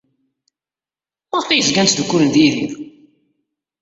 Maɣef ay zgan ttdukkulen ed Yidir?